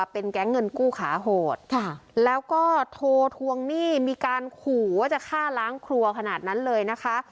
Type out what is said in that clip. เป็นแก๊งเงินกู้ขาโหดแล้วก็โทรทวงหนี้มีการขู่ว่าจะฆ่าล้างครัวขนาดนั้นเลยนะคะ